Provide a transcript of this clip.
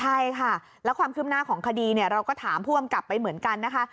ใช่ค่ะแล้วความคืบหน้าของคดีเนี่ยเราก็ถามผู้กำกับไปเหมือนกันนะคะ